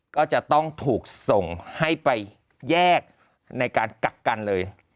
ก็จะต้องถูกส่งให้ไปแยกในการกักกันเลย